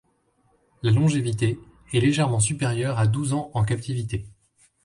La longévité est légèrement supérieure à douze ans en captivité.